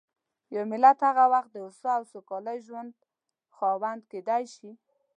یو ملت هغه وخت د هوسا او سوکاله ژوند خاوند کېدای شي.